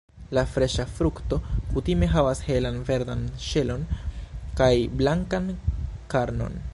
La freŝa frukto kutime havas helan verdan ŝelon kaj blankan karnon.